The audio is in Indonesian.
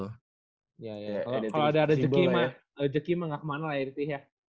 kalo ada rezeki mah gak kemana lah ya ditih ya